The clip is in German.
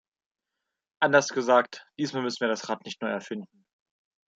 Anders gesagt, diesmal müssen wir das Rad nicht neu erfinden.